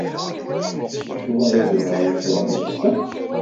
Acuɣer i tebɣam ad tṛuḥem ass-a?